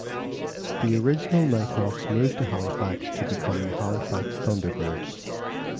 The original Knighthawks moved to Halifax to become the Halifax Thunderbirds.